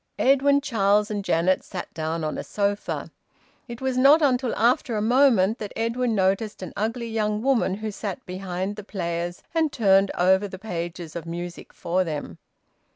Edwin, Charles, and Janet sat down on a sofa. It was not until after a moment that Edwin noticed an ugly young woman who sat behind the players and turned over the pages of music for them.